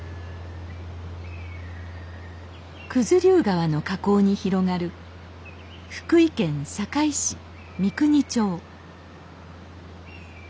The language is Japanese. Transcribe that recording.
九頭竜川の河口に広がる福井県坂井市三国町